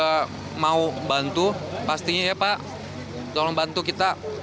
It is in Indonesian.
kita mau bantu pastinya ya pak tolong bantu kita